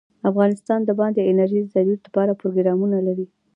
افغانستان د بادي انرژي د ترویج لپاره پروګرامونه لري.